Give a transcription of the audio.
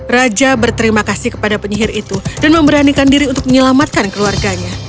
raja berterima kasih kepada penyihir itu dan memberanikan diri untuk menyelamatkan keluarganya